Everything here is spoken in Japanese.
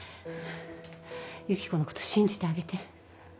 由紀子のこと信じてあげて。